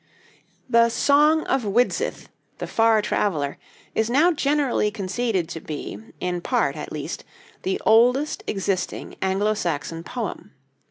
The 'Song of Widsith, the Far Traveler,' is now generally conceded to be, in part at least, the oldest existing Anglo Saxon poem.